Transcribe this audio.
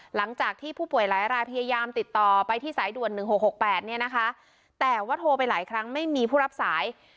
หลังจากที่ผู้ป่วยหลายรายพยายามติดต่อไปที่สายด่วน๑๖๖๘เนี่ยนะคะแต่ว่าโทรไปหลายครั้งไม่มีผู้รับสาย